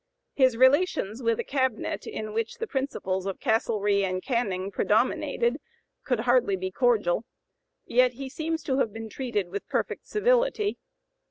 His relations with a cabinet in which the principles of Castlereagh and Canning predominated could hardly be cordial, yet he seems to have been treated with perfect civility.